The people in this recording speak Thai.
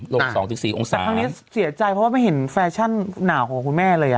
๒๔องศาแต่ครั้งนี้เสียใจเพราะว่าไม่เห็นแฟชั่นหนาวของคุณแม่เลยอ่ะ